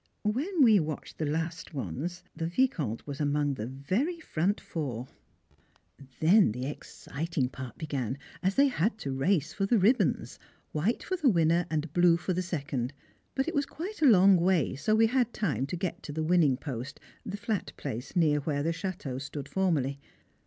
When we watched the last ones, the Vicomte was among the very front four. [Sidenote: Rewards of Gallantry] Then the exciting part began, as they had to race for the ribbons, white for the winner and blue for the second; but it was quite a long way, so we had time to get to the winning post, the flat place near where the Château stood formerly.